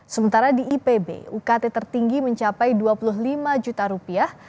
sementara di ipb ukt tertinggi mencapai dua puluh lima juta rupiah